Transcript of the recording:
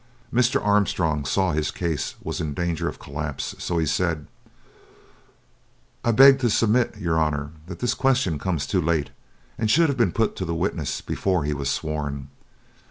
Mr. Armstrong saw his case was in danger of collapse, so he said: "I beg to submit, your Honour, that this question comes too late and should have been put to the witness before he was sworn.